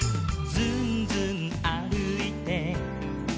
「ずんずんあるいて」